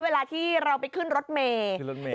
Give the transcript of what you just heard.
เวลาที่เราไปขึ้นรถเมย์